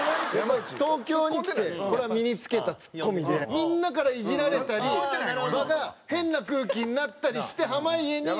東京に来てこれは身に付けたツッコミでみんなからイジられたり場が変な空気になったりして濱家に。